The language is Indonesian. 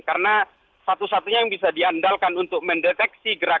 karena satu satunya yang bisa diandalkan untuk mendeteksi gerakan